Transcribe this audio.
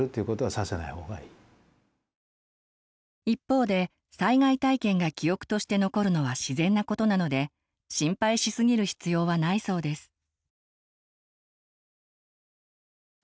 一方で災害体験が記憶として残るのは自然なことなので心配しすぎる必要はないそうです。